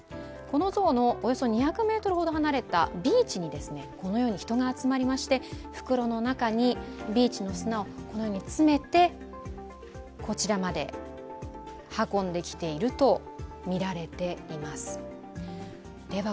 この像のおよそ２００ｍほど離れたビーチにこのように人が集まりまして袋の中にビーチの砂を詰めて、こちらまで運んできているとみられています。